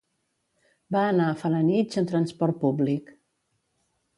Va anar a Felanitx amb transport públic.